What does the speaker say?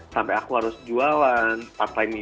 sampai aku harus jualan